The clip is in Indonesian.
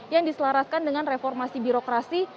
yang diselaraskan dengan reformasi birokrasi